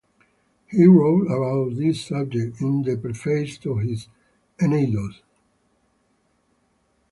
He wrote about this subject in the preface to his "Eneydos".